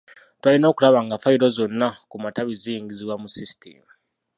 Twalina okulaba nga fayiro zonna ku matabi ziyingizibwa mu System.